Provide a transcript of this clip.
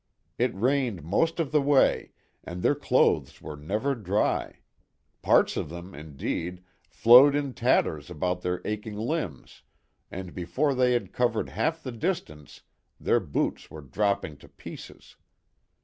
It rained most of the way, and their clothes were never dry; parts of them, indeed, flowed in tatters about their aching limbs, and before they had covered half the distance their boots were dropping to pieces.